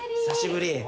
久しぶり。